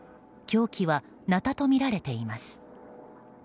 凶器はなたとみられています。